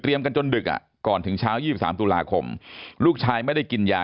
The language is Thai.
กันจนดึกก่อนถึงเช้า๒๓ตุลาคมลูกชายไม่ได้กินยา